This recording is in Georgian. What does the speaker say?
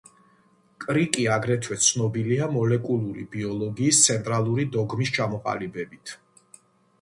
კრიკი აგრეთვე ცნობილია მოლეკულური ბიოლოგიის ცენტრალური დოგმის ჩამოყალიბებით.